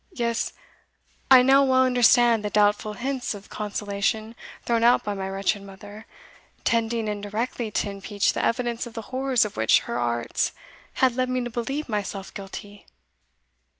Yes, I now well understand the doubtful hints of consolation thrown out by my wretched mother, tending indirectly to impeach the evidence of the horrors of which her arts had led me to believe myself guilty."